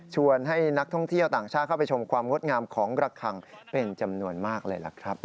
ให้นักท่องเที่ยวต่างชาติเข้าไปชมความงดงามของระคังเป็นจำนวนมากเลยล่ะครับ